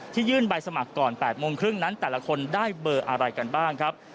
ยื่นใบสมัครก่อน๘โมงครึ่งนั้นแต่ละคนได้เบอร์อะไรกันบ้างครับ